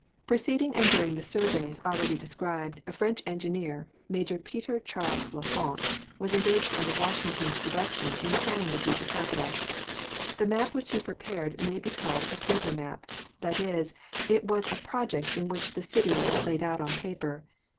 —Preceding and during the surveys already described, a French engineer, Major Peter Charles L'Enfant, was engaged under Washington's direction in planning the future capital. The map which he prepared may be called a paper map—that is, it was a project in which the city was laid out on paper.